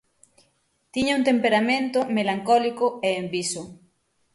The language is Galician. Tiña un temperamento melancólico e enviso.